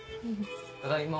ただいま。